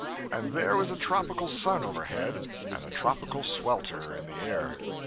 And there was a tropical sun overhead and a tropical swelter in the air.